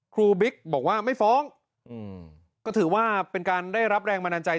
บิ๊กบอกว่าไม่ฟ้องก็ถือว่าเป็นการได้รับแรงบันดาลใจ